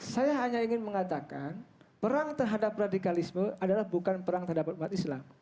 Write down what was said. saya hanya ingin mengatakan perang terhadap radikalisme adalah bukan perang terhadap umat islam